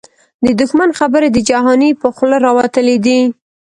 د دښمن خبري د جهانی په خوله راوتلی دې